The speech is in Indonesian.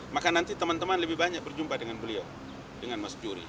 maka nanti teman teman lebih banyak berjumpa dengan beliau dengan mas juri